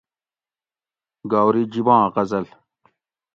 گاؤری جِباں غزل